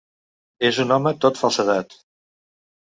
És un home tot falsedat.